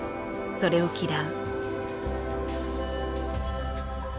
それを嫌う。